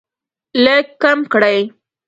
لږ کم کړئ